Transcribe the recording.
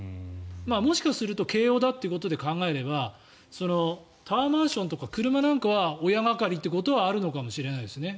もしかすると慶応だということで考えればタワーマンションとか車なんかは親がかりということはあるのかもしれないですね。